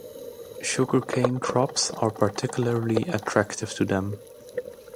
Sugarcane crops are particularly attractive to them.